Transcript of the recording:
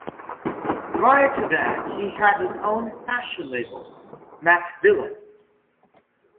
Prior to that, he had his own fashion label, 'Macvillain'.